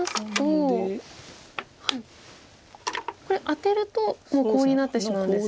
これアテるともうコウになってしまう。